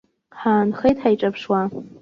Ҳаанхеит ҳаиҿаԥшуа.